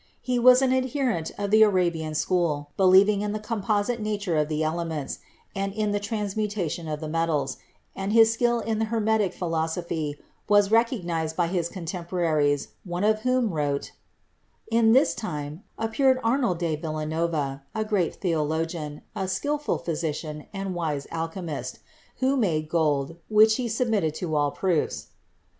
He was an adherent of the Arabian school, believing in the composite nature of the elements and in the transmutation of the metals, and his skill in Hermetic philosophy was recognised by his contempora ries, one of whom wrote, "In this time appeared Arnold de Villeneuve, a great theologian, a skilful physician and wise alchymist, who made gold, which he submitted to all proofs."